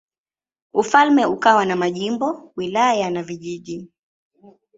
Ufalme ukawa na majimbo, wilaya na vijiji.